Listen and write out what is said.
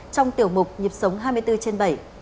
trong tiểu mục nhịp sống hai mươi bốn trên bảy